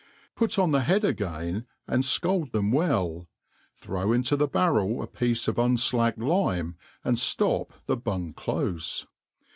Put oo the head again, and' fcata them well, throw into the barret a piece of unitacked Itme, and &op the bung clofe.